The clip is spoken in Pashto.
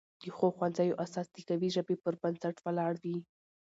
د ښو ښوونځیو اساس د قوي ژبې پر بنسټ ولاړ وي.